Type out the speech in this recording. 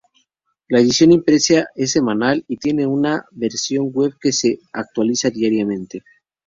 La edición impresa es semanal y tiene una versión web que se actualiza diariamente.